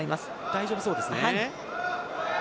大丈夫そうですね。